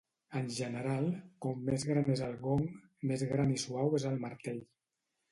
En general, com més gran és el gong, més gran i suau és el martell.